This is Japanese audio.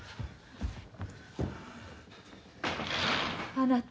あなた。